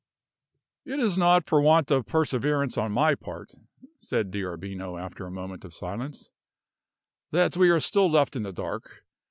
"It is not for want of perseverance on my part," said D'Arbino, after a moment of silence, "that we are still left in the dark.